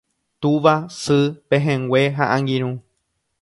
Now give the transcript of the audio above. tuva, sy, pehẽngue ha angirũ